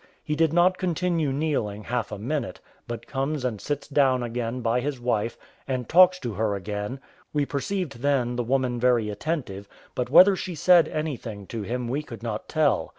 He did not continue kneeling half a minute, but comes and sits down again by his wife, and talks to her again; we perceived then the woman very attentive, but whether she said anything to him we could not tell.